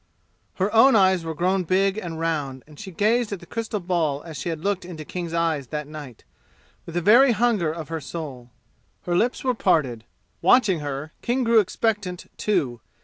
Her own eyes were grown big and round, and she gazed at the crystal ball as she had looked into King's eyes that night, with the very hunger of her soul. Her lips were parted. Watching her, King grew expectant, too.